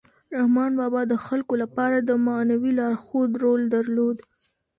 رحمان بابا د خلکو لپاره د معنوي لارښود رول درلود.